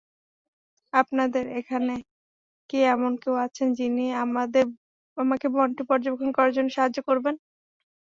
আপনাদের এখানে কি এমন কেউ আছেন যিনি আমাকে বনটি পর্যবেক্ষণ করার জন্য সাহায্য করবেন?